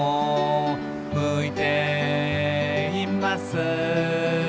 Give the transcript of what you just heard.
「向いています」